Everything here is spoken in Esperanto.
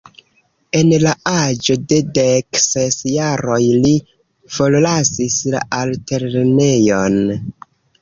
En la aĝo de dek ses jaroj li forlasis la altlernejon.